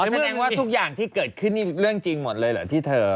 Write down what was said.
แสดงว่าทุกอย่างที่เกิดขึ้นนี่เรื่องจริงหมดเลยเหรอที่เธอ